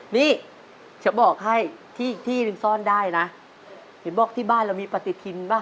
นี่เดี๋ยวบอกให้ที่นึงซ่อนได้นะเห็นคนบอกที่บ้านเรามีประติธินเปล่า